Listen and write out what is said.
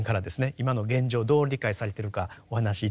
今の現状をどう理解されてるかお話し頂けますか？